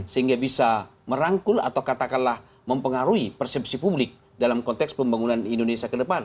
sehingga bisa merangkul atau katakanlah mempengaruhi persepsi publik dalam konteks pembangunan indonesia ke depan